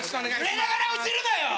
揺れながら落ちるなよ！